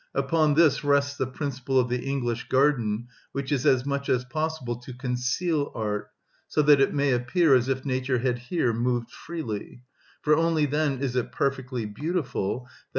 Upon this rests the principle of the English garden, which is as much as possible to conceal art, so that it may appear as if nature had here moved freely; for only then is it perfectly beautiful, _i.